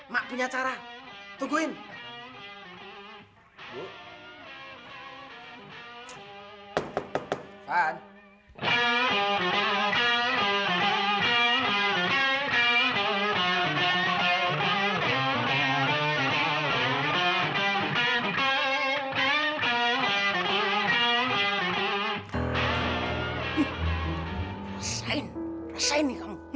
mak punya cara tungguin